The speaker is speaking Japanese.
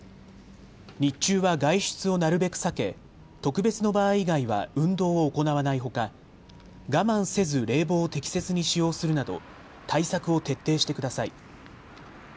日中は外出をなるべく避け、特別の場合以外は運動を行わないほか、我慢せず冷房を適切に使用するなど対策を徹底してください。